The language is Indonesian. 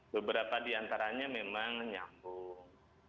beberapa di antaranya memang nyambung